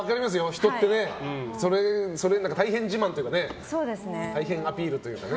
人ってね大変自慢というか大変アピールというか。